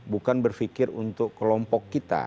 bukan berpikir untuk kelompok kita